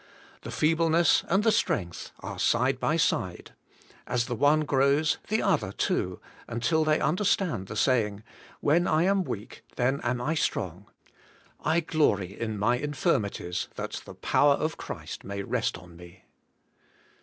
' The feebleness and the strength are side by side; as the one grows, the other too, until they understand the saying, 'When I am weak, then am I strong; I glory in my infirmities, that the power of Christ may rest on me.'